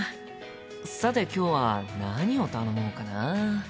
さて今日は何を頼もうかな？